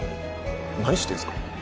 何してんすか？